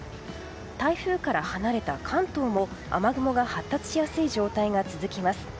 台風から離れた関東も雨雲が発達しやすい状態が続きます。